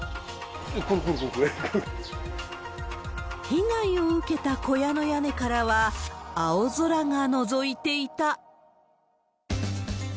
被害を受けた小屋の屋根からは、青空がのぞいていた。